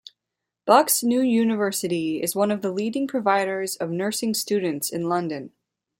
Bucks New University is one of the leading providers of nursing students in London.